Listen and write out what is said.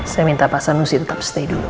saya minta pak sanusi tetap stay dulu